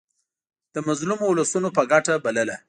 د مظلومو اولسونو په ګټه بلله.